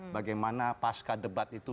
bagaimana pasca debat itu